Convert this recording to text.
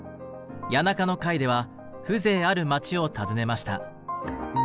谷中の回では風情ある街を訪ねました。